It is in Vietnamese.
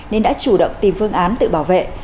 nên đã chủ động tìm phương án tự bảo vệ